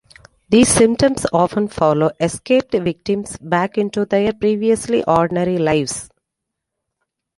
These symptoms often follow escaped victims back into their previously ordinary lives.